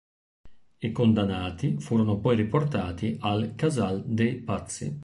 I condannati furono poi riportati al Casal de' Pazzi.